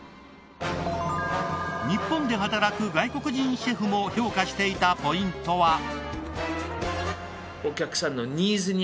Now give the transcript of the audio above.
日本で働く外国人シェフも評価していたポイントは。